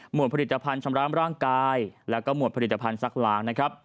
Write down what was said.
หมวดผลิตภัณฑ์ชำระร่างกายและหมวดผลิตภัณฑ์ซักล้าง